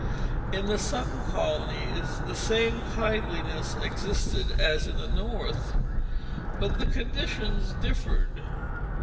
In the Southern colonies the same kindliness existed as in the North, but the conditions differed.